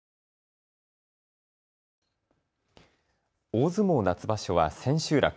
大相撲夏場所は千秋楽。